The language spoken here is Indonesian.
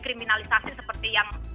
kriminalisasi seperti yang